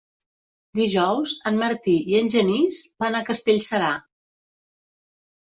Dijous en Martí i en Genís van a Castellserà.